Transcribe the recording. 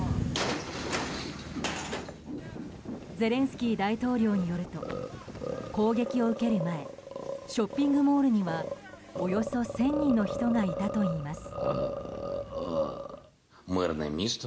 ゼレンスキー大統領によると攻撃を受ける前ショッピングモールにはおよそ１０００人の人がいたといいます。